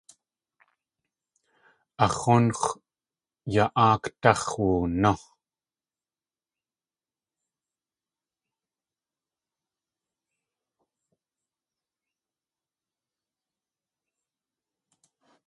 Ax̲ húnx̲w ya.áakdáx̲ woonú!